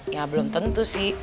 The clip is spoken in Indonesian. ya belum tentu sih